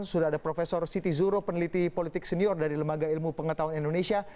sudah ada prof siti zuro peneliti politik senior dari lembaga ilmu pengetahuan indonesia